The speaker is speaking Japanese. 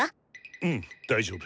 「うん大丈夫。